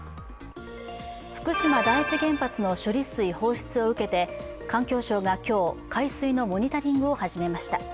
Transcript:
福島第一原発の処理水放出を受けて環境省が今日、海水のモニタリングを始めました。